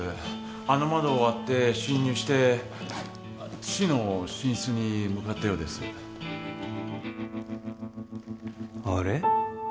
あの窓を割って侵入して父の寝室に向かったようですあれ？